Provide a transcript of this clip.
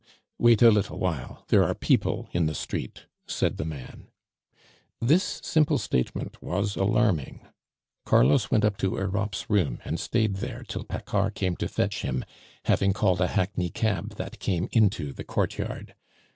"Wait a little while, there are people in the street," said the man. This simple statement was alarming. Carlos went up to Europe's room, and stayed there till Paccard came to fetch him, having called a hackney cab that came into the courtyard.